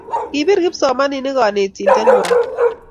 Kipir kipsomaninik konetinte ng'wang